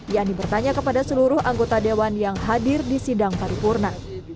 yang dipertanya kepada seluruh anggota dewan yang hadir di sidang paripurna